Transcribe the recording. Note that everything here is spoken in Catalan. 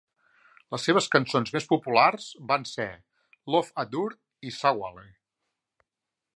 Les seves cançons més populars van ser "Love Adure" i "Sawale".